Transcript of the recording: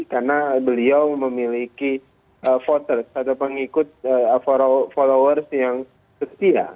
karena beliau memiliki voters atau pengikut followers yang setia